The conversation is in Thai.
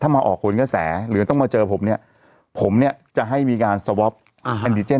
ถ้ามาออกโหนก็แสหรือต้องมาเจอผมเนี้ยผมเนี้ยจะให้มีการอ่าฮะ